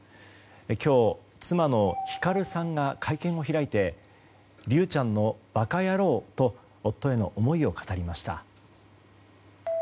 今日、妻の光さんが会見を開いて「竜ちゃんのばかやろう」と夫への思いを語りました。